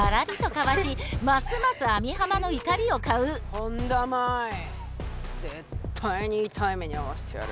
本田麻衣絶対に痛い目に遭わせてやる。